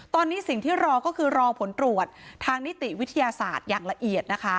ตอนนี้สิ่งที่รอก็คือรอผลตรวจทางนิติวิทยาศาสตร์อย่างละเอียดนะคะ